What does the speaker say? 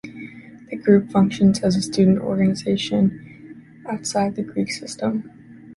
The group functions as a student organization outside the Greek system.